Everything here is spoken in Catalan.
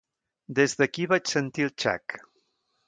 Des d'aquí vaig sentir el xac.